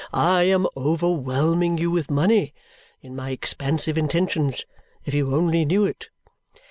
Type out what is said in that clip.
I am overwhelming you with money in my expansive intentions if you only knew it!"